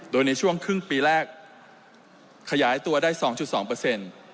โดยในช่วงครึ่งปีแรกขยายตัวได้๒๒เปอร์เซ็นต์